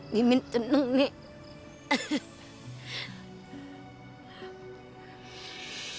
mimin tenung nih